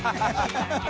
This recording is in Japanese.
ハハハ